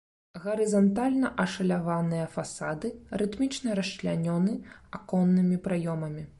Гарызантальна ашаляваныя фасады рытмічна расчлянёны аконнымі праёмамі.